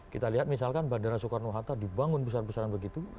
kita lihat misalkan bandara soekarno hatta dibangun besar besaran begitu